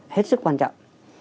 hết sức quan trọng